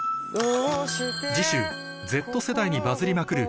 次週Ｚ世代にバズりまくる